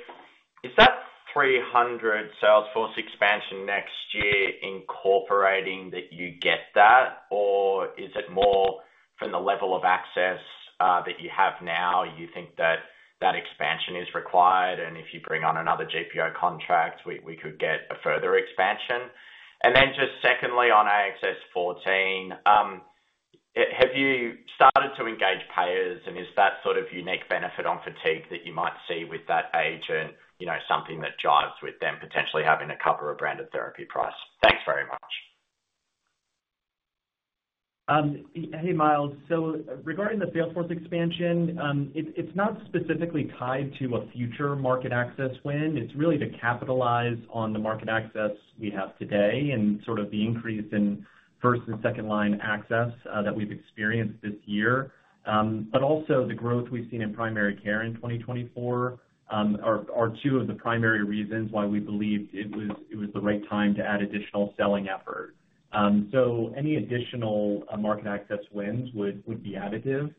Is that 300 sales force expansion next year incorporating that you get that, or is it more from the level of access that you have now? You think that that expansion is required, and if you bring on another GPO contract, we could get a further expansion? And then just secondly on AXS-14, have you started to engage payers, and is that sort of unique benefit on fatigue that you might see with that agent, something that jives with them potentially having to cover a branded therapy price? Thanks very much. Hey, Miles, so regarding the sales force expansion, it's not specifically tied to a future market access win. It's really to capitalize on the market access we have today and sort of the increase in first- and second-line access that we've experienced this year, but also the growth we've seen in primary care in 2024 are two of the primary reasons why we believed it was the right time to add additional selling effort, so any additional market access wins would be additive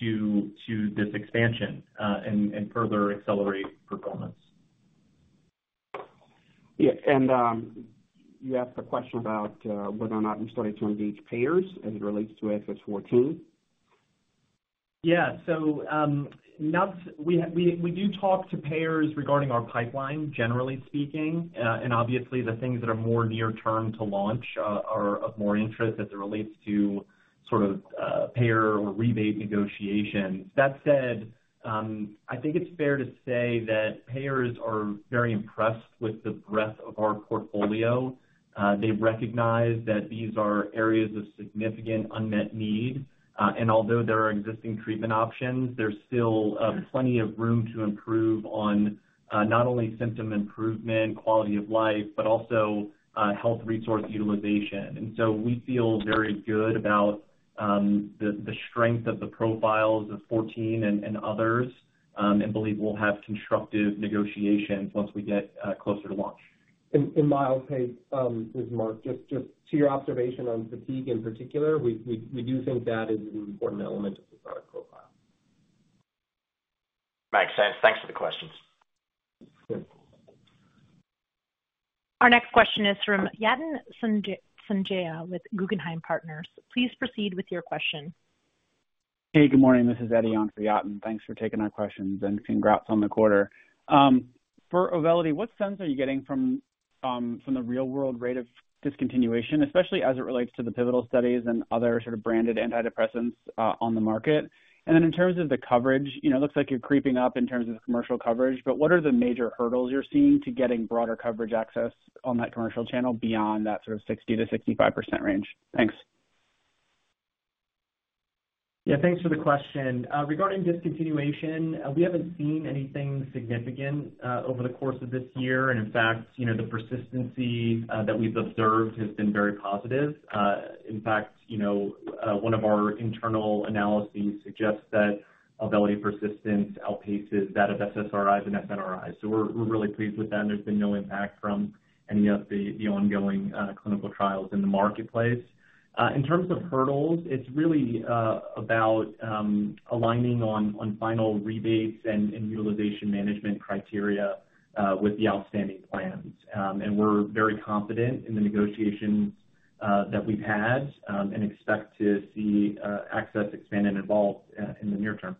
to this expansion and further accelerate performance. Yeah, and you asked the question about whether or not you started to engage payers as it relates to AXS-14. Yeah. So we do talk to payers regarding our pipeline, generally speaking. And obviously, the things that are more near-term to launch are of more interest as it relates to sort of payer or rebate negotiation. That said, I think it's fair to say that payers are very impressed with the breadth of our portfolio. They recognize that these are areas of significant unmet need. And although there are existing treatment options, there's still plenty of room to improve on not only symptom improvement, quality of life, but also health resource utilization. And so we feel very good about the strength of the profiles of 14 and others and believe we'll have constructive negotiations once we get closer to launch. And Miles, hey, this is Mark. Just to your observation on fatigue in particular, we do think that is an important element of the product profile. Makes sense. Thanks for the questions. Good. Our next question is from Yatin Suneja with Guggenheim Partners. Please proceed with your question. Hey, good morning. This is Eddie on for Yatin. Thanks for taking our questions and congrats on the quarter. For Auvelity, what sense are you getting from the real-world rate of discontinuation, especially as it relates to the pivotal studies and other sort of branded antidepressants on the market? And then in terms of the coverage, it looks like you're creeping up in terms of commercial coverage, but what are the major hurdles you're seeing to getting broader coverage access on that commercial channel beyond that sort of 60%-65% range? Thanks. Yeah, thanks for the question. Regarding discontinuation, we haven't seen anything significant over the course of this year. And in fact, the persistency that we've observed has been very positive. In fact, one of our internal analyses suggests that Auvelity persistence outpaces that of SSRIs and SNRIs. So we're really pleased with that. There's been no impact from any of the ongoing clinical trials in the marketplace. In terms of hurdles, it's really about aligning on final rebates and utilization management criteria with the outstanding plans. And we're very confident in the negotiations that we've had and expect to see access expand and evolve in the near term.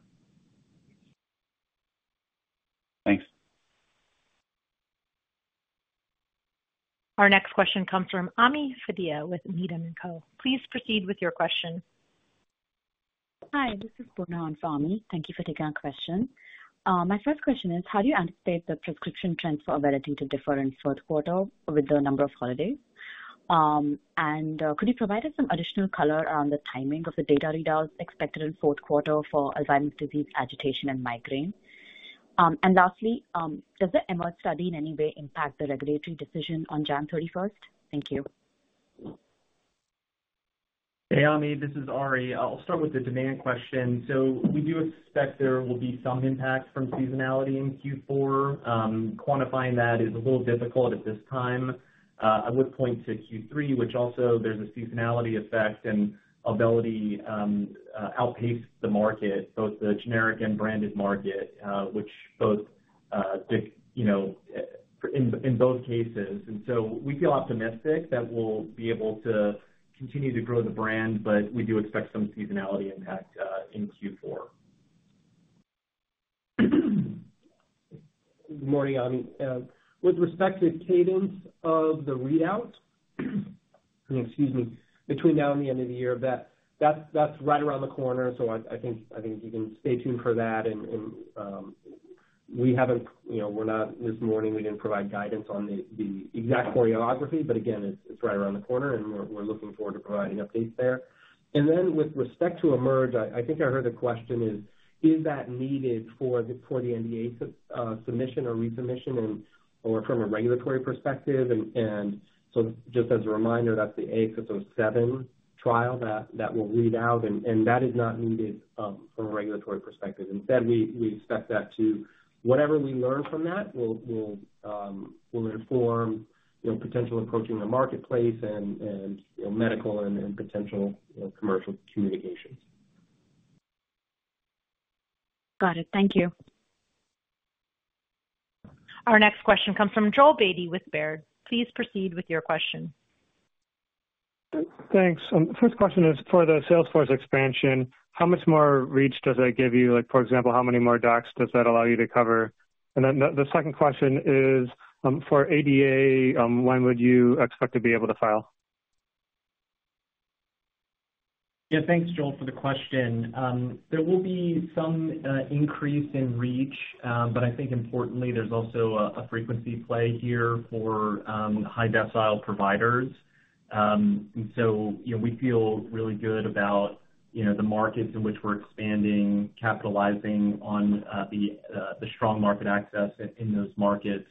Thanks. Our next question comes from Ami Fadia with Needham & Company. Please proceed with your question. Hi, this is Varun on for Ami. Thank you for taking our question. My first question is, how do you anticipate the prescription trends for Auvelity to differ in Q4 with the number of holidays? And could you provide us some additional color around the timing of the data readouts expected in Q4 for Alzheimer's disease agitation and migraine? And lastly, does the EMERGE study in any way impact the regulatory decision on 31 January? Thank you. Hey, Ami. This is Ari. I'll start with the demand question. So we do expect there will be some impact from seasonality in Q4. Quantifying that is a little difficult at this time. I would point to Q3, which also there's a seasonality effect, and Auvelity outpaced the market, both the generic and branded market, which both in both cases. And so we feel optimistic that we'll be able to continue to grow the brand, but we do expect some seasonality impact in Q4. Good morning, Ami. With respect to cadence of the readouts, excuse me, between now and the end of the year, that's right around the corner, so I think you can stay tuned for that, and we haven't this morning, we didn't provide guidance on the exact choreography, but again, it's right around the corner, and we're looking forward to providing updates there. And then with respect to EMERGE, I think I heard the question is, is that needed for the NDA submission or resubmission from a regulatory perspective? And so just as a reminder, that's the AXS-07 trial that will read out, and that is not needed from a regulatory perspective. Instead, we expect that to whatever we learn from that will inform potential approaching the marketplace and medical and potential commercial communications. Got it. Thank you. Our next question comes from Joel Beatty with Baird. Please proceed with your question. Thanks. The first question is for the sales force expansion. How much more reach does that give you? For example, how many more docs does that allow you to cover? And then the second question is for ADA, when would you expect to be able to file? Yeah, thanks, Joel, for the question. There will be some increase in reach, but I think importantly, there's also a frequency play here for high-decile providers. And so we feel really good about the markets in which we're expanding, capitalizing on the strong market access in those markets,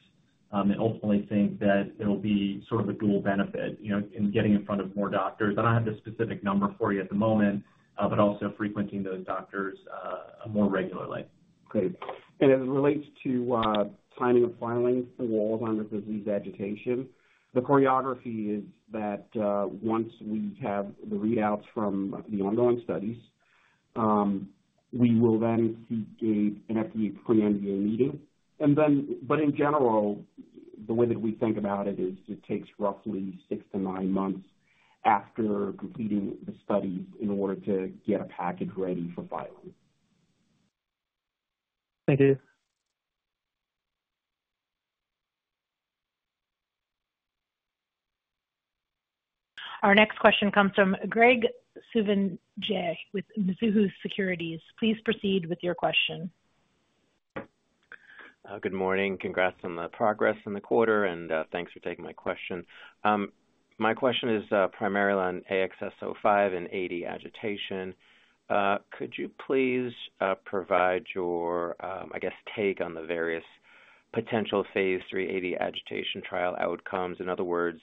and ultimately think that it'll be sort of a dual benefit in getting in front of more doctors. I don't have the specific number for you at the moment, but also frequenting those doctors more regularly. Great. And as it relates to timing of filing for Alzheimer's disease agitation, the choreography is that once we have the readouts from the ongoing studies, we will then seek an FDA pre-NDA meeting. But in general, the way that we think about it is it takes roughly six to nine months after completing the studies in order to get a package ready for filing. Thank you. Our next question comes from Graig Suvannavejh with Mizuho Securities. Please proceed with your question. Good morning. Congrats on the progress in the quarter, and thanks for taking my question. My question is primarily on AXS-05 and AD agitation. Could you please provide your, I guess, take on the various potential phase three AD agitation trial outcomes? In other words,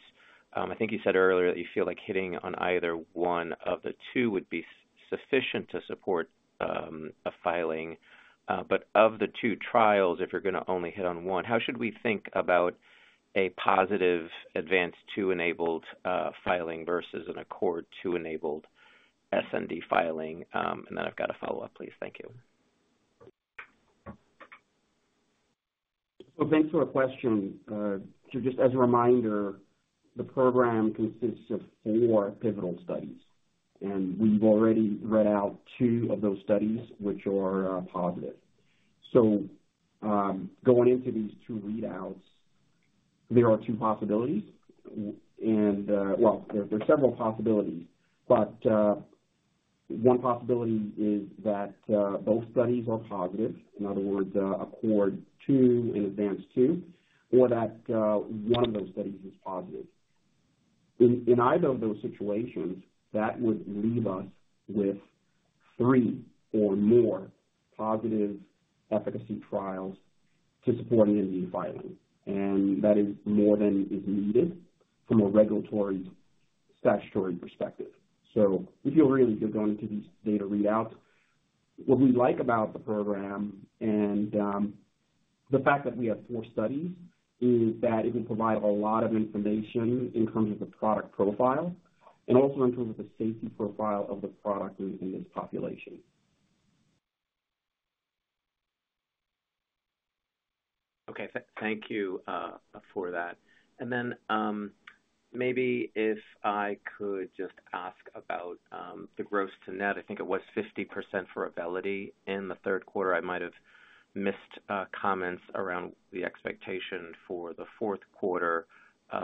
I think you said earlier that you feel like hitting on either one of the two would be sufficient to support a filing. But of the two trials, if you're going to only hit on one, how should we think about a positive ADVANCE-2-enabled filing versus an ACCORD-2-enabled NDA filing? And then I've got a follow-up, please. Thank you. So thanks for the question. Just as a reminder, the program consists of four pivotal studies, and we've already read out two of those studies, which are positive. So going into these two readouts, there are two possibilities. Well, there are several possibilities, but one possibility is that both studies are positive, in other words, ACCORD-2 and ADVANCE-2, or that one of those studies is positive. In either of those situations, that would leave us with three or more positive efficacy trials to support an NDA filing. And that is more than is needed from a regulatory statutory perspective. So we feel really good going into these data readouts. What we like about the program and the fact that we have four studies is that it will provide a lot of information in terms of the product profile and also in terms of the safety profile of the product in this population. Okay. Thank you for that. And then maybe if I could just ask about the gross to net, I think it was 50% for Auvelity in the Q3. I might have missed comments around the expectation for the Q4.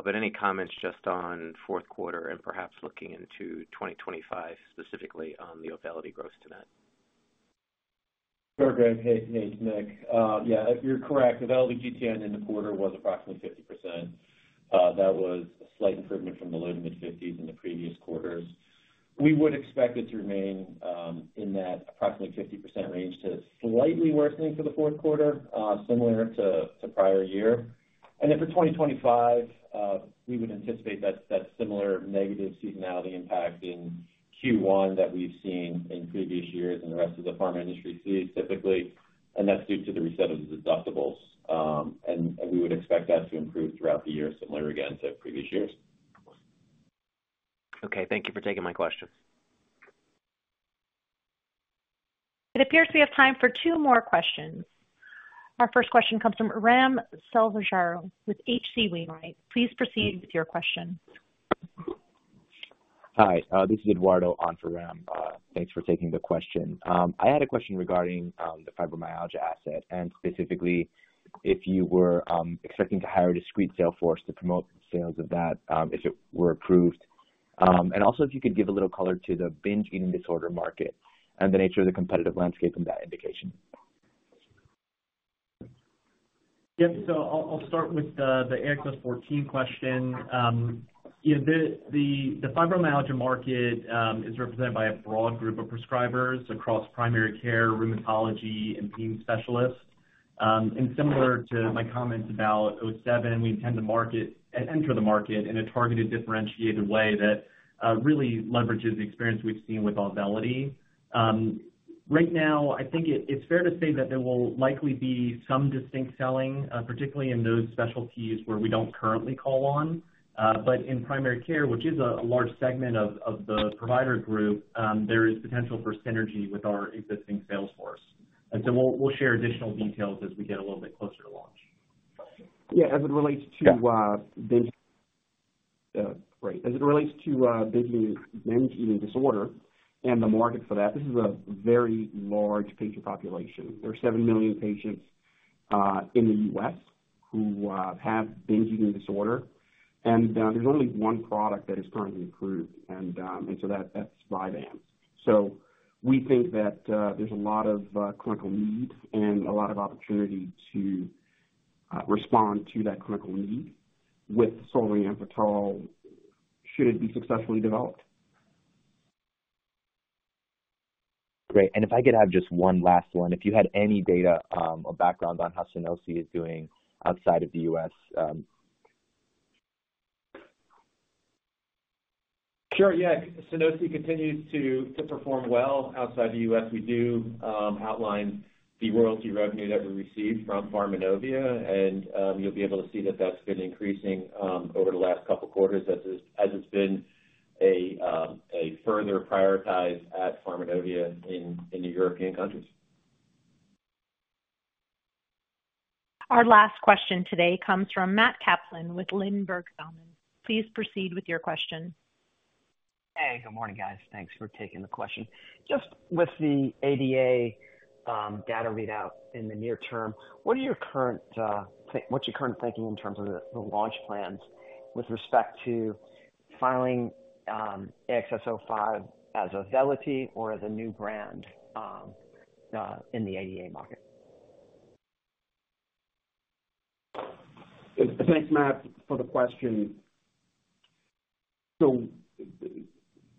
But any comments just on Q4 and perhaps looking into 2025 specifically on the Auvelity gross to net? Sure, Greg. Hey, Nick. Yeah, you're correct. Auvelity GTN in the quarter was approximately 50%. That was a slight improvement from the low- to mid-50s% in the previous quarters. We would expect it to remain in that approximately 50% range to slightly worsening for the Q4, similar to prior year, and then for 2025, we would anticipate that similar negative seasonality impact in Q1 that we've seen in previous years and the rest of the pharma industry sees typically, and that's due to the reset of the deductibles, and we would expect that to improve throughout the year, similar again to previous years. Okay. Thank you for taking my question. It appears we have time for two more questions. Our first question comes from Ram Selvaraju with H.C. Wainwright. Please proceed with your question. Hi. This is Eduardo on for Ram. Thanks for taking the question. I had a question regarding the fibromyalgia asset and specifically if you were expecting to hire a discrete sales force to promote sales of that if it were approved. And also if you could give a little color to the binge eating disorder market and the nature of the competitive landscape in that indication? Yep. So I'll start with the AXS-14 question. The fibromyalgia market is represented by a broad group of prescribers across primary care, rheumatology, and pain specialists. And similar to my comments about AXS-07, we intend to enter the market in a targeted differentiated way that really leverages the experience we've seen with Auvelity. Right now, I think it's fair to say that there will likely be some distinct selling, particularly in those specialties where we don't currently call on. But in primary care, which is a large segment of the provider group, there is potential for synergy with our existing sales force. And so we'll share additional details as we get a little bit closer to launch. Yeah. As it relates to binge eating disorder and the market for that, this is a very large patient population. There are seven million patients in the US who have binge eating disorder. And there's only one product that is currently approved. And so that's Vyvanse. So we think that there's a lot of clinical need and a lot of opportunity to respond to that clinical need with solriamfetol should it be successfully developed. Great. And if I could have just one last one, if you had any data or background on how Sunosi is doing outside of the US Sure. Yeah. Sunosi continues to perform well outside the US We do outline the royalty revenue that we received from Pharmanovia. And you'll be able to see that that's been increasing over the last couple of quarters as it's been further prioritized at Pharmanovia in the European countries. Our last question today comes from Matt Kaplan with Ladenburg Thalmann. Please proceed with your question. Hey, good morning, guys. Thanks for taking the question. Just with the ADA data readout in the near term, what is your current thinking in terms of the launch plans with respect to filing AXS-05 as a Auvelity or as a new brand in the ADA market? Thanks, Matt, for the question. So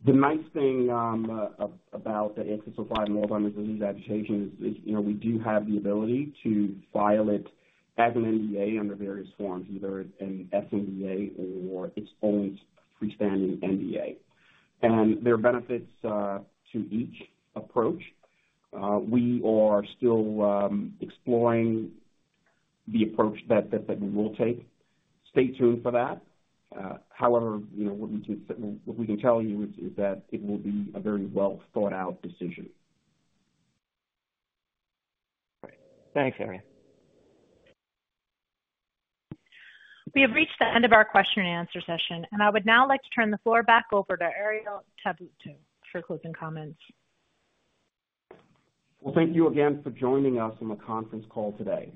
the nice thing about the AXS-05 and Alzheimer's disease agitation is we do have the ability to file it as an NDA under various forms, either an sNDA or its own freestanding NDA. And there are benefits to each approach. We are still exploring the approach that we will take. Stay tuned for that. However, what we can tell you is that it will be a very well-thought-out decision. Thanks, Ari. We have reached the end of our question and answer session. I would now like to turn the floor back over to Herriot Tabuteau for closing comments. Thank you again for joining us on the conference call today.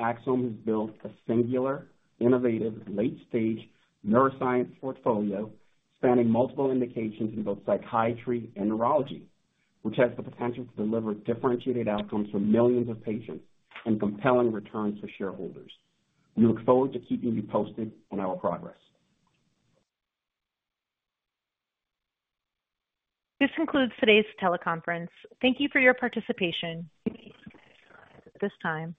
Axsome has built a singular, innovative late-stage neuroscience portfolio spanning multiple indications in both psychiatry and neurology, which has the potential to deliver differentiated outcomes for millions of patients and compelling returns for shareholders. We look forward to keeping you posted on our progress. This concludes today's teleconference. Thank you for your participation. At this time.